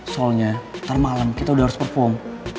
soalnya ntar malam kita udah harus perform